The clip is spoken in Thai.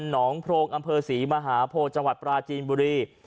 หนองโพรงอศรีมหาโพธจังหวัดปราจินบุรี